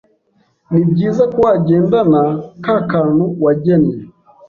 Ni byiza ko wagendana ka kantu wagennye